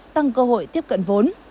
tăng cơ hội tiếp cận vốn